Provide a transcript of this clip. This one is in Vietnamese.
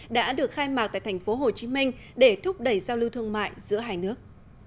đã được khai mạc tại thành phố hồ chí minh để thúc đẩy giao lưu thương mại giữa hai nước